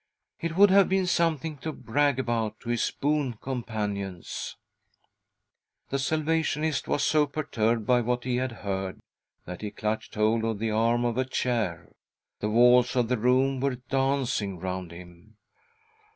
It would have been something to brag about to his boon companions. .... t A CALL FROM THE PAST 73 The Salvationist was so perturbed by what he had heard that he clutched hold of the arm of a chair. The walls of the room were dancing round him.